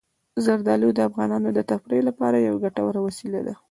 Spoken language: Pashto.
زردالو د افغانانو د تفریح لپاره یوه ګټوره وسیله ده.